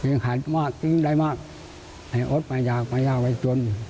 ยิ่งให้นายได้มากให้และไม่อยากไปหยากไม่จน